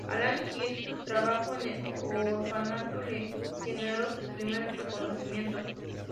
Al año siguiente, su trabajo en "El orfanato" le generó sus primeros reconocimientos.